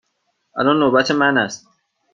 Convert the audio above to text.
الان نوبت من است.